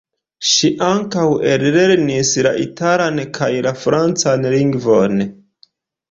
Ŝi ankaŭ ellernis la italan kaj la francan lingvojn.